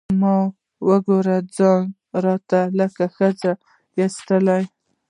ما وګوره ځان راته لکه ښځه ايسي.